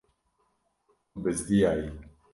Tu bizdiyayî.